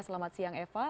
selamat siang eva